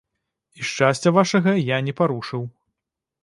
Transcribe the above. І шчасця вашага я не парушыў.